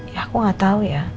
ya aku nggak tahu ya